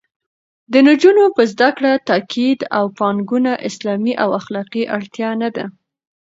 د نجونو په زده کړه تاکید او پانګونه اسلامي او اخلاقي اړتیا نه ده